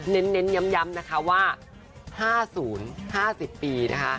เน้นย้ำนะคะว่า๕๐๕๐ปีนะคะ